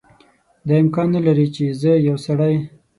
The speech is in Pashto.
دا امکان نه لري چې زه یو سړی.